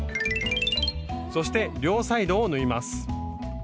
そして両サイドを縫います。